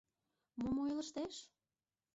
Мом ойлыштеш?